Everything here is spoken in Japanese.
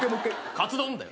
「カツ丼」だよ。